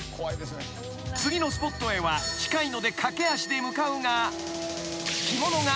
［次のスポットへは近いので駆け足で向かうが］